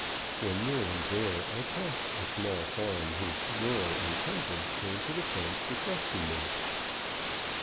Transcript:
When nearly there, I passed a small farm whose rural incumbent came to the fence to question me.